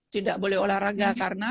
tidak boleh olahraga karena